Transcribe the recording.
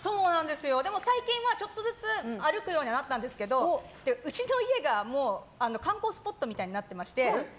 でも最近はちょっとずつ歩くようにはなったんですけどうちの家が観光スポットみたいになってまして。